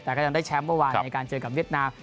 แต่ก็ยังได้แชมป์เมื่อวานในการเจอกับเวียดนาม